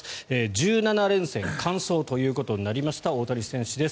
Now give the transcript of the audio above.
１７連戦完走ということになりました大谷選手です。